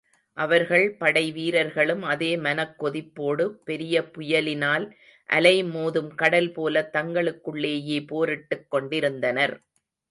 அவர்கள் படை வீரர்களும் அதே மனக்கொதிப்போடு, பெரிய புயலினால் அலைமோதும் கடல் போலத் தங்களுக்குள்ளேயே போரிட்டுக் கொண்டிருந்தனர்.